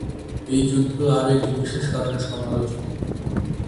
এই যুদ্ধ আরো একটি বিশেষ কারণে সমালোচিত।